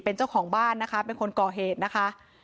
เป็นเจ้าของบ้านนะคะเป็นคนก่อเหตุนะคะ